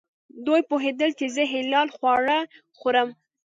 دوی پوهېدل چې زه حلال خواړه خورم.